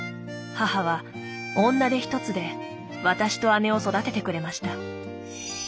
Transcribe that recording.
母は女手一つで私と姉を育ててくれました。